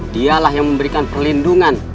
dialah yang memberikan perlindungan